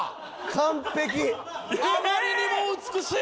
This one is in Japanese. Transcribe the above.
あまりにも美しい！